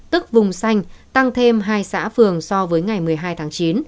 tức vùng xanh tăng thêm hai xã phường so với ngày một mươi hai tháng chín